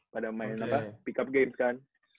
pada main pick up games kan